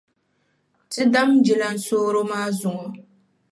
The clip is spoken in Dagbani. Ti dami jilansooro maa zuŋɔ.